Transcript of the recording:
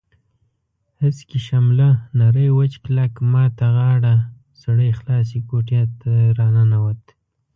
هسکې شمله نری وچ کلک، ما ته غاړه سړی خلاصې کوټې ته راننوت.